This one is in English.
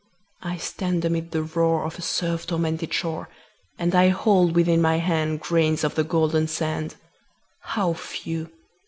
I stand amid the roar Of a surf tormented shore, And I hold within my hand Grains of the golden sand How few!